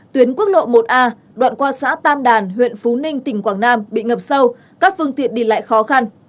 tuyến quốc lộ một a đoạn qua xã tam đàn huyện phú ninh tỉnh quảng nam bị ngập sâu các phương tiện đi lại khó khăn